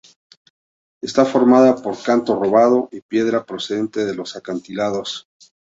Está formada por canto rodado y piedra procedente de los acantilados.